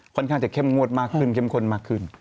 ค่อนข้างจะเข้มงวดมากขึ้นเข้มข้นมากขึ้น